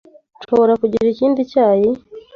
Nshobora kugira ikindi cyayi?